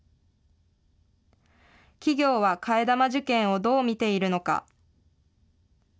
企業は替え玉受検をどう見ているのか。